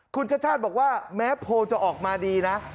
คุณชาติชาติบอกว่าแม้โพลจะออกมาดีนะ